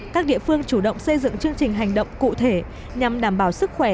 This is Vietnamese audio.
các địa phương chủ động xây dựng chương trình hành động cụ thể nhằm đảm bảo sức khỏe